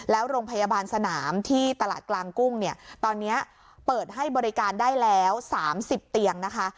แล้วโรงพยาบาลสนามที่ตลาดกลางกุ้งเนี่ยตอนนี้เปิดให้บริการได้แล้ว๓๐เตียงนะคะ